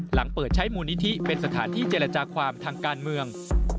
หลังเปิดใช้มูลนิธิเป็นสถานที่เจรจาความทางการเมือง